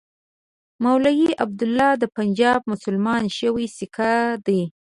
مولوي عبیدالله د پنجاب مسلمان شوی سیکه دی.